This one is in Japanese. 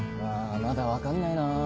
まだ分かんないなぁ。